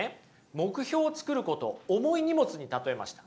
目標を作ることを重い荷物に例えました。